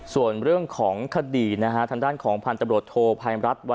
ส่วนเรื่องของคดีนะครับทำด้านคนของพันธบทโทภัยนรัฐวันนีศรวรรษสอบสวนศพปฐอะไรบุว่า